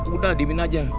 udah diamin aja